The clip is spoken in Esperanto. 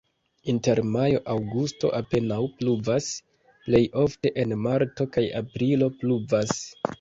Inter majo-aŭgusto apenaŭ pluvas, plej ofte en marto kaj aprilo pluvas.